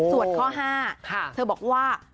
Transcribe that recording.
ส่วนข้อ๕เธอบอกว่า